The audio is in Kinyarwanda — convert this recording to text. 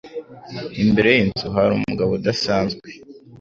Imbere yinzu hari umugabo udasanzwe.